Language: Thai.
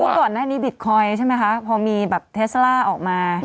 ก่อนหน้านี้บิตคอยน์ใช่ไหมคะพอมีแบบเทสล่าออกมา